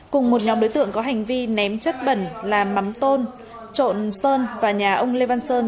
cùng một nhóm đối tượng có hành vi ném chất bẩn làm mắm tôn trộn sơn và nhà ông lê văn sơn